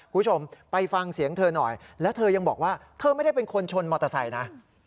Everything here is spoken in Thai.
คุณผู้ชมไปฟังเสียงเธอหน่อยแล้วเธอยังบอกว่าเธอไม่ได้เป็นคนชนมอเตอร์ไซค์นะ